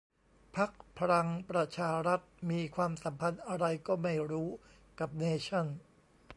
พรรคพลังประชารัฐ มีความสัมพันธ์อะไรก็ไม่รู้กับเนชั่น